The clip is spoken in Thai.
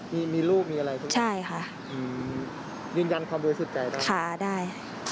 มีมีลูกมีอะไรใช่ค่ะอืมยืนยันความดูสุดใจนะค่ะได้